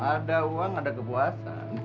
ada uang ada kepuasan